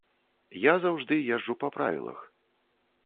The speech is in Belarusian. Я заўжды езджу па правілах.